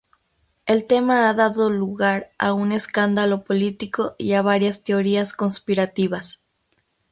El tema ha dado lugar a un escándalo político y a varias teorías conspirativas.